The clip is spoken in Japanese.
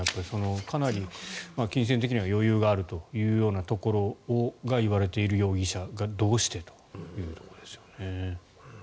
かなり金銭的には余裕があるというところがいわれている容疑者がどうしてというところですよね。